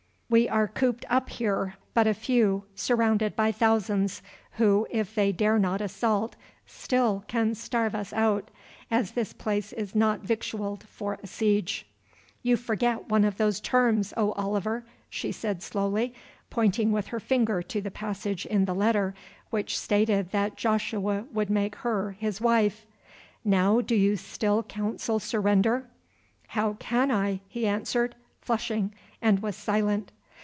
We are cooped up here, but a few surrounded by thousands, who, if they dare not assault, still can starve us out, as this place is not victualled for a siege." "You forget one of those terms, O Oliver!" she said slowly, pointing with her finger to the passage in the letter which stated that Joshua would make her his wife, "Now do you still counsel surrender?" "How can I?" he answered, flushing, and was silent.